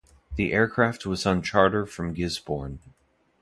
The aircraft was on charter from Gisborne.